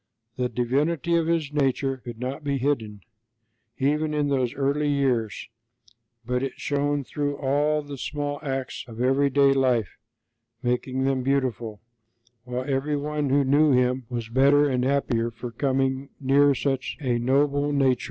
The divinity of His nature could not be hidden, even in those early years, but it shone through all the small acts of everyday life, making them beautiful; while every one who knew Him was better and happier for coming near such a noble nature.